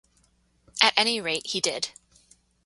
At any rate, he did.